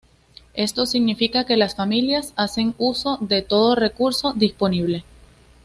Esto significa que las familias hacen uso de todo recurso disponible.